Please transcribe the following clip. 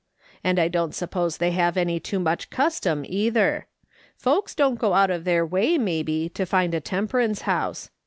And I don't suppose they have any too much custom, either. Folks don't go out of their way, maybe, to find a temperance house.